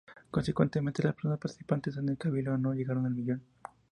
Consecuentemente, las personas participantes en el Cabildo no llegaron al millón.